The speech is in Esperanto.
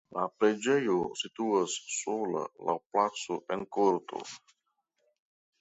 La preĝejo situas sola laŭ placo en korto.